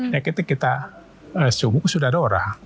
ya kita kita subuh sudah ada orang